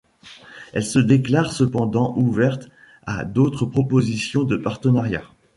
Elle se déclare cependant ouverte à d'autres propositions de partenariat.